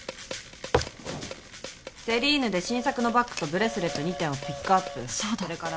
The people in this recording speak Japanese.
セリーヌで新作のバッグとブレスレット２点をピックアップそうだ